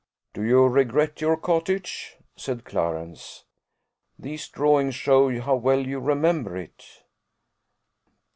"Do you regret your cottage?" said Clarence: "these drawings show how well you remember it."